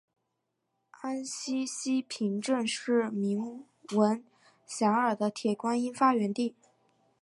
安溪西坪镇是名闻遐迩的铁观音发源地。